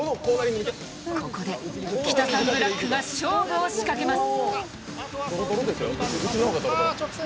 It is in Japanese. ここでキタサンブラックが勝負を仕掛けます。